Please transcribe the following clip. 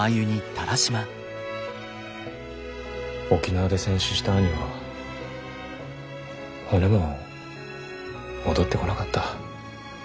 沖縄で戦死した兄は骨も戻ってこなかった。